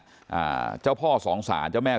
ฝ่ายกรเหตุ๗๖ฝ่ายมรณภาพกันแล้ว